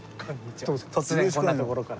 突然こんなところから。